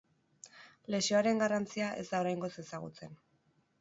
Lesioaren garrantzia ez da oraingoz ezagutzen.